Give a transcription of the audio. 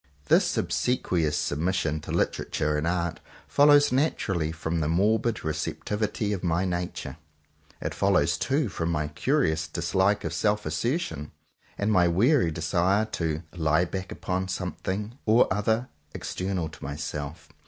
This obsequious submission to Literature and Art. follows naturally from the morbid receptivity of my nature. It follows too from my curious dislike of self assertion, and my weary desire to "lie back" upon something or other external to myself.